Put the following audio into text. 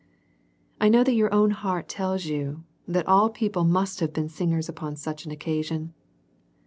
I know your own heart tells you that all people must have been singers upon such an occasion.